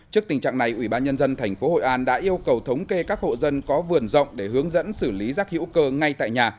trước tình trạng này ủy ban nhân dân tp hội an đã yêu cầu thống kê các hộ dân có vườn rộng để hướng dẫn xử lý rác hữu cơ ngay tại nhà